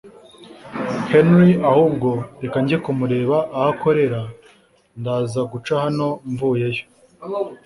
Henry ahubwo reka njye kumureba aho akorera ndaza guca hano mvuyeyo